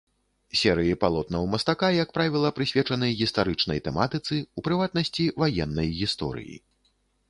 Серыі палотнаў мастака, як правіла, прысвечаны гістарычнай тэматыцы, у прыватнасці, ваеннай гісторыі.